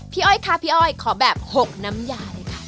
อ้อยค่ะพี่อ้อยขอแบบ๖น้ำยาเลยค่ะ